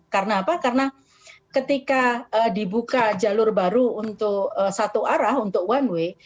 karena apa karena ketika dibuka jalur baru untuk satu arah untuk one way